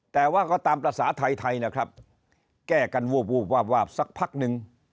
แต่ว่าก็ตามภาษาไทยไทยนะครับแก้กันวูบวาบวาบสักพักนึง